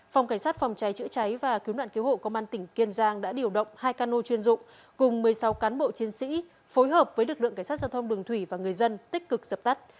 phòng cảnh sát phòng cháy chữa cháy và cứu nạn cứu hộ công an tỉnh kiên giang đã điều động hai cano chuyên dụng cùng một mươi sáu cán bộ chiến sĩ phối hợp với lực lượng cảnh sát giao thông đường thủy và người dân tích cực dập tắt